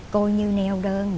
coi như neo đơn